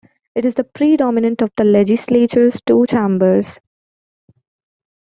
It is the predominant of the legislature's two chambers.